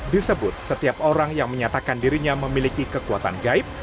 disebut setiap orang yang menyatakan dirinya memiliki kekuatan gaib